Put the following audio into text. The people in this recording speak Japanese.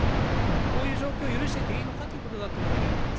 こういう状況許してていいのかということだと思います。